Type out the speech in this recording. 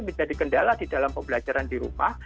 menjadi kendala di dalam pembelajaran di rumah